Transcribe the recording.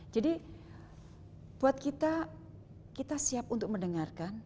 jadi buat kita kita siap untuk mendengarkan